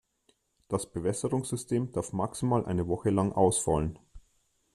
Das Bewässerungssystem darf maximal eine Woche lang ausfallen.